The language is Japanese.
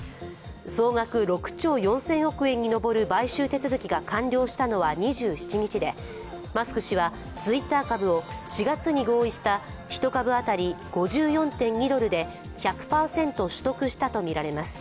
総額６兆４０００億円に上る買収手続きが完了したのは２７日で、マスク氏はツイッター株を４月に合意した１株当たり５４．２ドルで１００％取得したとみられます。